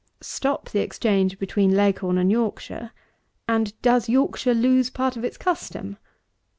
Stop the exchange between Leghorn and Yorkshire, and, does Yorkshire lose part of its custom?